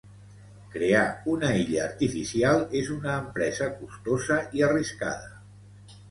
Crear una illa artificial és una empresa costosa i arriscada.